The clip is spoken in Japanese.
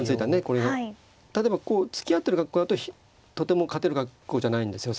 これが例えばこう突き合ってる格好だととても勝てる格好じゃないんですよ